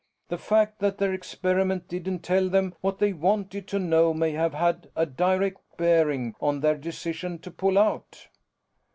The fact that their experiment didn't tell them what they wanted to know may have had a direct bearing on their decision to pull out."